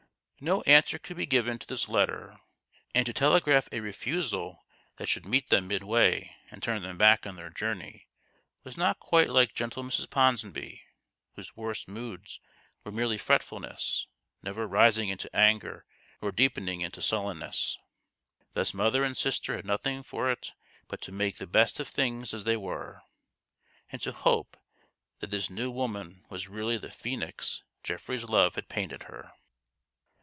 No answer could be given to this letter ; and to telegraph a refusal that should meet them midway and turn them back on their journey was not quite like gentle Mrs. Ponsonby, whose worst moods were merely fretfulness, never THE GHOST OF THE PAST. 169 rising into anger nor deepening into sullenness. Thus mother and sister had nothing for it but to make the best of things as they were, and to hope that this new woman was really the phoenix Geoffrey's love had painted her.